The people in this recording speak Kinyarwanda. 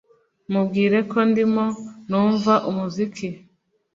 Mubwire ko ndimo numva umuziki